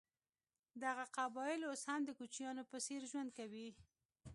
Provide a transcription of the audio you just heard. دغه قبایل اوس هم د کوچیانو په څېر ژوند کوي.